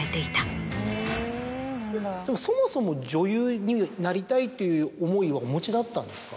そもそも女優になりたいっていう思いはお持ちだったんですか？